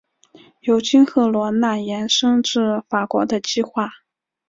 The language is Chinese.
有经赫罗纳延伸至法国的计划。